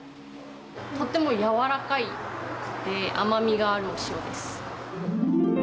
とってもやわらかくて甘みがあるお塩です。